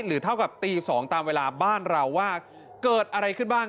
เท่ากับตี๒ตามเวลาบ้านเราว่าเกิดอะไรขึ้นบ้าง